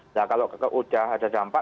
nah kalau sudah ada dampak